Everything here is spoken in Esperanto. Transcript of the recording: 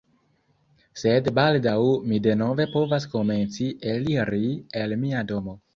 Sed baldaŭ mi denove povas komenci eliri el mia domo